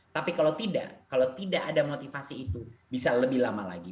tapi kalau tidak kalau tidak ada motivasi itu bisa lebih lama lagi